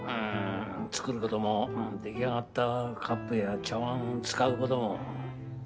作る事も出来上がったカップや茶わんを使う事も。